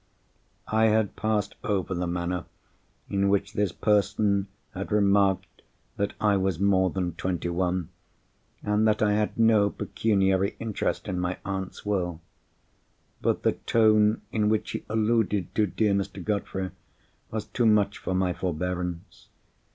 I had passed over the manner in which this person had remarked that I was more than twenty one, and that I had no pecuniary interest in my aunt's Will. But the tone in which he alluded to dear Mr. Godfrey was too much for my forbearance.